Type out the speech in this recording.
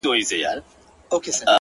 د وجود دا نيمايې برخه چي ستا ده”